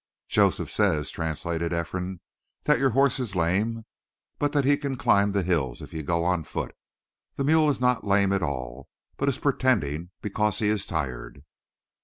"Joseph says," translated Ephraim, "that your horse is lame, but that he can climb the hills if you go on foot; the mule is not lame at all, but is pretending, because he is tired."